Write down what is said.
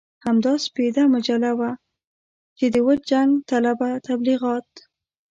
همدا سپېدې مجله وه چې د وچ جنګ طلبه تبليغات.